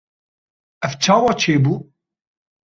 Ev çawa çêbû?